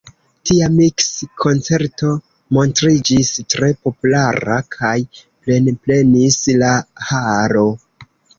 Tia miks-koncerto montriĝis tre populara kaj plenplenis la halo.